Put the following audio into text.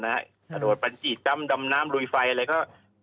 กระโดดปัญจีจำดำน้ำลุยไฟอะไรก็